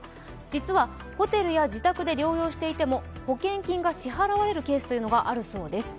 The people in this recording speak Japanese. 実はホテルや自宅で療養していても保険金が支払われるケースというのがあるそうです。